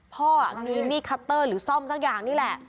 พ่อมีมีดคัตเตอร์หรือซ่อมสักอย่างนี่แหละ